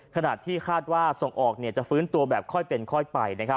ขณะที่คาดว่าส่งออกจะฟื้นตัวแบบค่อยเป็นค่อยไป